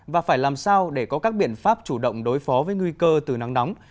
và phải làm sao để có các biện pháp chủ động đối phó với nguy cơ từ nắng nóng